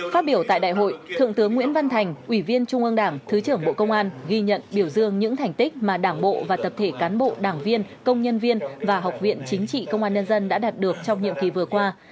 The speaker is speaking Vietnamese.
phát biểu tại đại hội thượng tướng nguyễn văn thành ủy viên trung ương đảng thứ trưởng bộ công an ghi nhận biểu dương những thành tích mà đảng bộ và tập thể cán bộ đảng viên công nhân viên và học viện chính trị công an nhân dân đã đạt được trong nhiệm kỳ vừa qua